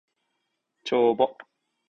帳簿